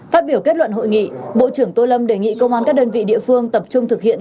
phát biểu kết luận hội nghị bộ trưởng tô lâm đề nghị công an các đơn vị địa phương tập trung thực hiện